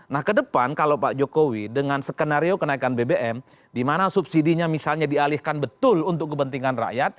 nah ke depan kalau pak jokowi dengan skenario kenaikan bbm di mana subsidinya misalnya dialihkan betul untuk kepentingan rakyat